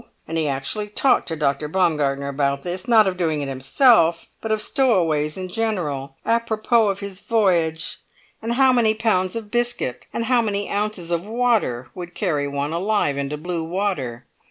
And he actually talked to Dr. Baumgartner about this; not of doing it himself, but of stowaways in general, à propos of his voyage; and how many pounds of biscuit and how many ounces of water would carry one alive into blue water.